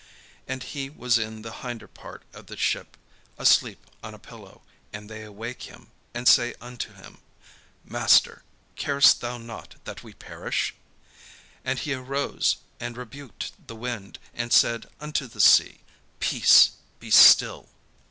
And he was in the hinder part of the ship, asleep on a pillow; and they awake him, and say unto him: "Master, carest thou not that we perish?" And he arose, and rebuked the wind, and said unto the sea: "Peace, be still."